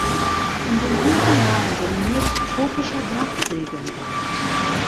In den höheren Lagen dominiert tropischer Bergregenwald.